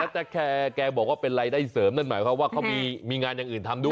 แต่แกบอกว่าเป็นรายได้เสริมนั่นหมายความว่าเขามีงานอย่างอื่นทำด้วย